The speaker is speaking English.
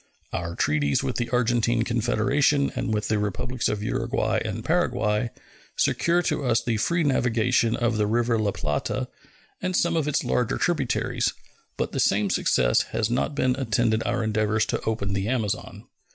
Our treaties with the Argentine Confederation and with the Republics of Uruguay and Paraguay secure to us the free navigation of the river La Plata and some of its larger tributaries, but the same success has not attended our endeavors to open the Amazon.